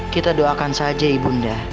kita doakan saja ibu bunda